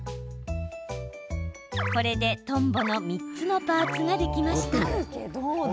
これでトンボの３つのパーツができました。